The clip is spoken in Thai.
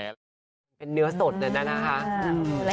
เป็นเนื้อสดนะค่ะ